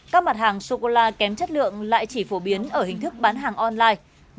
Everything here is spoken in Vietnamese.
các mặt hàng sô cô la kém chất lượng lại chỉ phổ biến ở hình thức bán hàng online